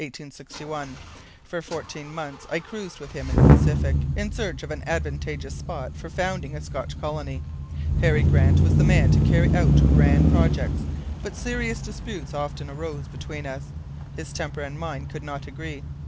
For fourteen months I cruised with him in the Pacific in search of an advantageous spot for founding a Scotch colony. Harry Grant was the man to carry out grand projects, but serious disputes often arose between us. His temper and mine could not agree.